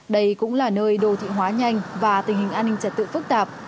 đây cũng là nơi đô thị hóa nhanh và tình hình an ninh trật tự phức tạp